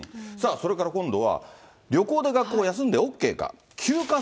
それから今度は旅行で学校を休んでＯＫか。